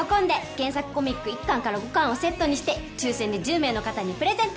原作コミッ１巻から５巻をセットにして抽選で１０名の方にプレゼント